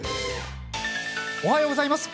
おはようございます。